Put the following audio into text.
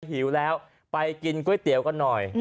หิวแล้วไปกินก๋วยเตี๋ยวกันหน่อย